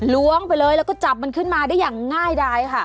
ล้วงไปเลยแล้วก็จับมันขึ้นมาได้อย่างง่ายดายค่ะ